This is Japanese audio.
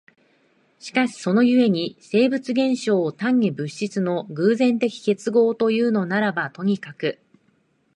しかしその故に生物現象を単に物質の偶然的結合というのならばとにかく、